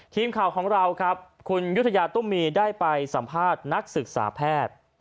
ทีมข่าวของเราครับคุณยุธยาตุ้มมีได้ไปสัมภาษณ์นักศึกษาแพทย์